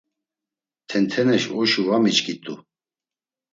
Tenteneş oşu va miçkit̆u.